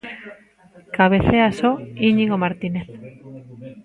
Cabecea só Íñigo Martínez.